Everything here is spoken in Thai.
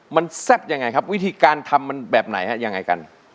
มันแซ่บยังไงครับวิธีการทำมันแบบไหนฮะยังไงกัน